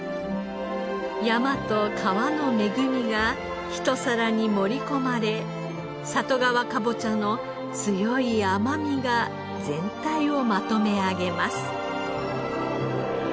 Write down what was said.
山と川の恵みがひと皿に盛り込まれ里川かぼちゃの強い甘みが全体をまとめ上げます。